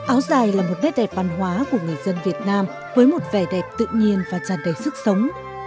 áo dài là một nét đẹp văn hóa của người dân việt nam với một vẻ đẹp tự nhiên và tràn đầy sức sống